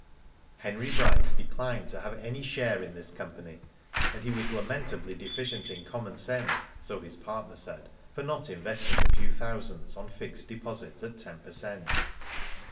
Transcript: Henry Bryce declined to have any share in this company, and he was lamentably deficient in common sense, so his partner said, for not invest ing a few thousands on fixed deposit at ten per cent.